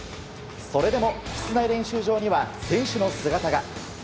それでも、室内練習場には選手の姿が。